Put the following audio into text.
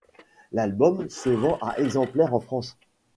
L'album se vend à exemplaires en France.